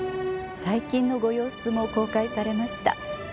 最近のご様子も公開されました。